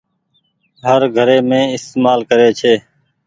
هر گھري مين استهمال ڪري ڇي۔